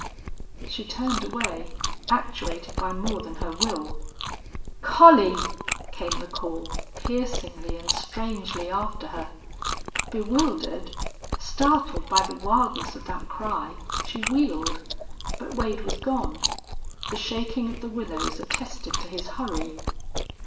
She turned away, actuated by more than her will. "Collie!" came the call, piercingly and strangely after her. Bewildered, startled by the wildness of that cry, she wheeled. But Wade was gone. The shaking of the willows attested to his hurry.